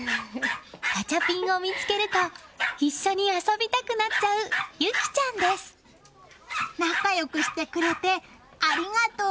ガチャピンを見つけると一緒に遊びたくなっちゃう仲良くしてくれてありがとう！